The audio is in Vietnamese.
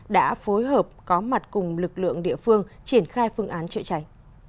đã phối hợp có mặt cùng lực lượng địa phương triển khai phương án chữa cháy